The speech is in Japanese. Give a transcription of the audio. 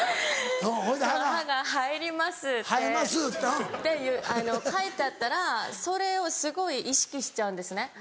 歯が生えますって書いてあったらそれをすごい意識しちゃうんですね。